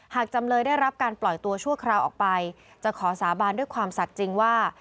จำเลยได้รับการปล่อยตัวชั่วคราวออกไปจะขอสาบานด้วยความสัตว์จริงว่า